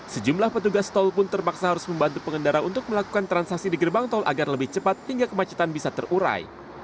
sejumlah petugas tol pun terpaksa harus membantu pengendara untuk melakukan transaksi di gerbang tol agar lebih cepat hingga kemacetan bisa terurai